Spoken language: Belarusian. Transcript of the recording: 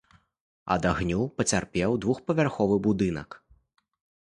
Ад агню пацярпеў двухпавярховы будынак.